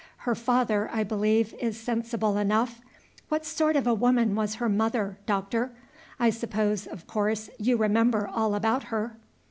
Her father, I believe, is sensible enough; what sort of a woman was her mother, Doctor? I suppose, of course, you remember all about her?"